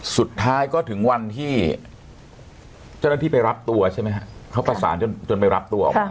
สุดท้ายก็ถึงวันที่เจ้าหน้าที่ไปรับตัวใช่ไหมฮะเขาประสานจนไปรับตัวออกมา